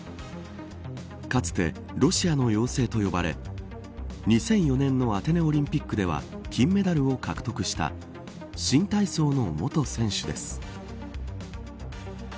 かつてロシアの妖精と呼ばれ２００４年のアテネオリンピックでは金メダルを獲得した新体操の元選手です。